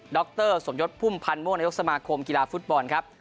รสมยศพุ่มพันธ์ม่วงนายกสมาคมกีฬาฟุตบอลครับ